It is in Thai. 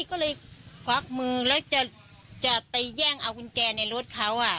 ก็เลยควักมือแล้วจะไปแย่งเอากุญแจในรถเขาอ่ะ